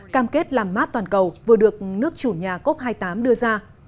cam kết làm mát toàn cầu vừa được nước chủ nhà cốc hai mươi tám đưa ra